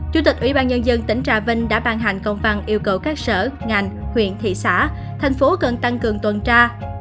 chủ tịch ubnd tỉnh trà vinh đã ban hành công văn yêu cầu các sở ngành huyện thị xã thành phố cần tăng cường tuần tra